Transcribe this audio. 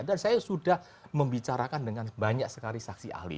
dan saya sudah membicarakan dengan banyak sekali saksi ahli